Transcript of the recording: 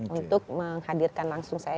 untuk menghadirkan langsung saya